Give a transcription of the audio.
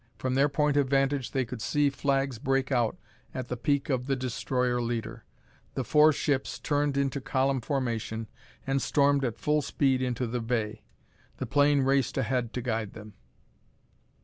From their point of vantage they could see flags break out at the peak of the destroyer leader. The four ships turned into column formation and stormed at full speed into the bay. The plane raced ahead to guide them.